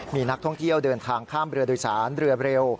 มีนักท่องเที่ยวเดินทางข้ามเรือโดยสารเรือเร็ว